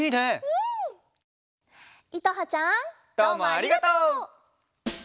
どうもありがとう！